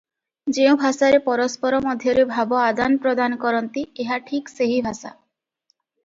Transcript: ଯେଉଁ ଭାଷାରେ ପରସ୍ପର ମଧ୍ୟରେ ଭାବ ଆଦାନପ୍ରଦାନ କରନ୍ତି ଏହା ଠିକ ସେହି ଭାଷା ।